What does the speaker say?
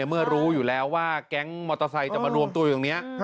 เมื่อรู้อยู่แล้วว่าแก๊งมอเตอร์ไซค์จะมารวมตัวอยู่ตรงนี้